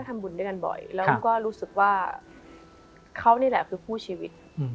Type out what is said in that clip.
ทำบุญด้วยกันบ่อยแล้วมันก็รู้สึกว่าเขานี่แหละคือคู่ชีวิต